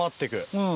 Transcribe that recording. うん。